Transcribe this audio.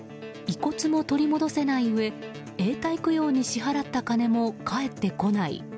遺骨も取り戻せないうえ永代供養に支払った金も返ってこない。